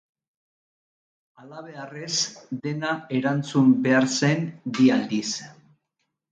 Halabeharrez dena erantzun behar zen bi aldiz.